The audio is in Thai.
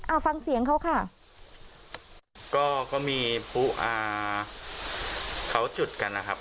อ่าฟังเสียงเขาค่ะก็ก็มีผู้อ่าเขาจุดกันนะครับ